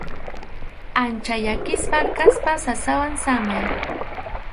Ancha llakisqa kaspa sasawan samay.